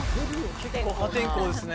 結構破天荒ですね